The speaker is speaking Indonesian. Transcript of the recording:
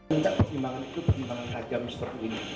tentang pertimbangan itu pertimbangan hajam seperti ini